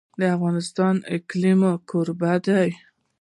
افغانستان د اقلیم کوربه دی.